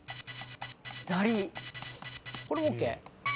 これもＯＫ？